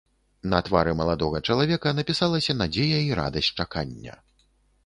На твары маладога чалавека напісалася надзея і радасць чакання.